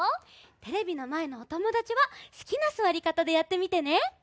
テレビのまえのおともだちはすきなすわりかたでやってみてね。